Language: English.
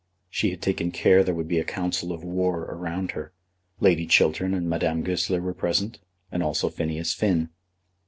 She had taken care there should be a council of war around her. Lady Chiltern and Madame Goesler were present, and also Phineas Finn.